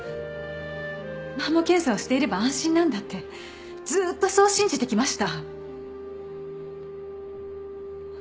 マンモ検査をしていれば安心なんだってずっとそう信じてきました。